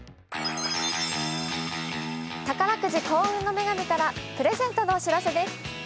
宝くじ「幸運の女神」からプレゼントのお知らせです。